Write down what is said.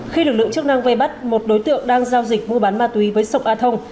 khi lực lượng chức năng vây bắt một đối tượng đang giao dịch mua bán ma túy với sông a thông